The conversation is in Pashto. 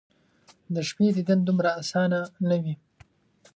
د شپې دیدن دومره اسانه ،نه وي